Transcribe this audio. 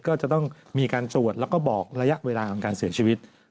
ก็จะต้องมีการตรวจแล้วก็บอกระยะเวลาของการเสียชีวิต